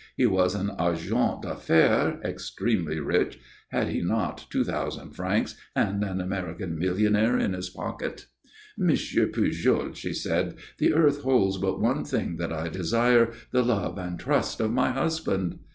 He was an agent d'affaires, extremely rich had he not two thousand francs and an American millionaire in his pocket? "M. Pujol," she said, "the earth holds but one thing that I desire, the love and trust of my husband."